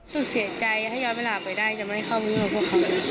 สุดเสียใจถ้าย้อนเวลาไปได้จะไม่เข้ามายุ่งกับพวกเขา